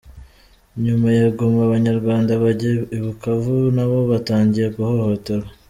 Nyuma ya Goma Abanyarwanda bajya i Bukavu nabo batangiye guhohoterwa